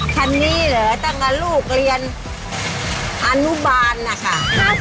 คันนี้เหรอตั้งแต่ลูกเรียนอนุบาลนะคะ